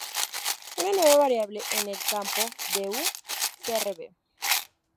Una nueva variable en el campo de U CrB